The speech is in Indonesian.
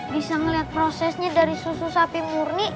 bisa melihat prosesnya dari susu sapi murni